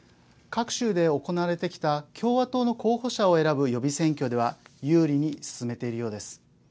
各州で行われてきた共和党の候補者を選ぶ予備選挙では有利に進めているようです。